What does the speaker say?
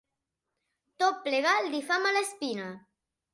Tot plegat li fa mala espina.